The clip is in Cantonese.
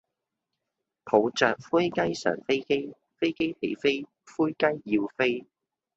抱著灰雞上飛機，飛機起飛，灰雞要飛